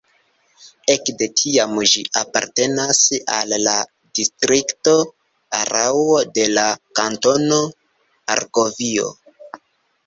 Ek de tiam ĝi apartenas al la distrikto Araŭo de la Kantono Argovio.